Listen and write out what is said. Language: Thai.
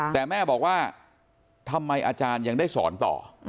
แต่แม่บอกว่าทำไมอาจารย์ยังได้สอนต่อ